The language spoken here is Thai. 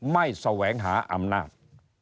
แสวงหาอำนาจ